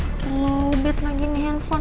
ya elik pake lowbat lagi nih handphone